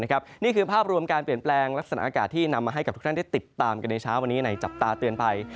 นี่คือภาพรวมการเปลี่ยนแปลงลักษณะอากาศที่นำมาให้กับทุกท่านได้ติดตามกันในเช้าวันนี้ในจับตาเตือนภัย